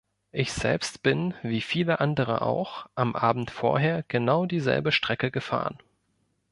Ich selbst bin, wie viele andere auch, am Abend vorher genau dieselbe Strecke gefahren.